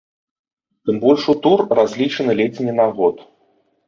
Тым больш, у тур, разлічаны ледзь не на год.